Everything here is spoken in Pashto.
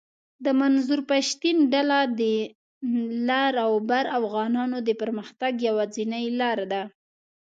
د منظور پشتین ډله د لر اوبر افغانانو د پرمختګ یواځنۍ لار ده